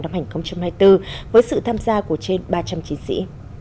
năm hai nghìn hai mươi bốn với sự tham gia của trên ba trăm linh chiến sĩ